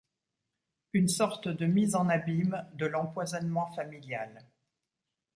Une sorte de mise en abyme de l’empoisonnement familial.